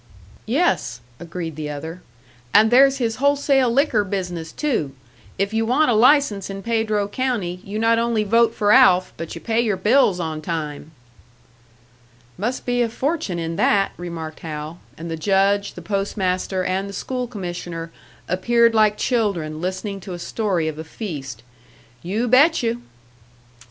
"Yes," agreed the other. "And there's his wholesale liquor business, too. If you want a license in Pedro county, you not only vote for Alf, but you pay your bills on time!" "Must be a fortune in that!" remarked Hal; and the Judge, the Post master and the School commissioner appeared like children listening to a story of a feast. "You bet you!"